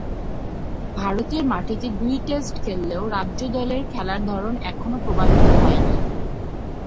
ভারতের মাটিতে দুই টেস্ট খেললেও রাজ্য দলের খেলার ধরন এখানে প্রবাহিত হয়নি।